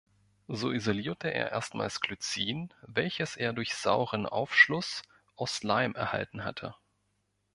So isolierte er erstmals Glycin, welches er durch sauren Aufschluss aus Leim erhalten hatte.